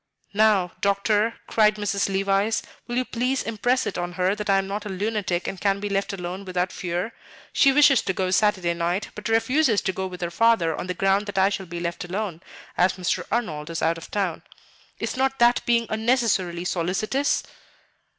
"Now, Doctor," cried Mrs. Levice, "will you please impress it on her that I am not a lunatic and can be left alone without fear? She wishes to go Saturday night, but refuses to go with her father on the ground that I shall be left alone, as Mr. Arnold is out of town. Is not that being unnecessarily solicitous?"